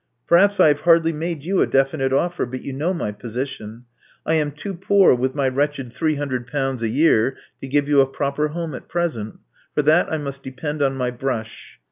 Perhaps I have hardly made you a definite offer ; but you know my position. I am too poor with my wretched ;;^3oo a year to give you a proper home at present. For that I must depend on my brush.